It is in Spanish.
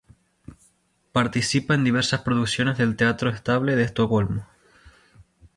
Participa en diversas producciones del Teatro Estable de Estocolmo.